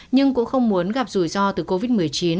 nhưng cũng không muốn gặp rủi ro từ covid một mươi chín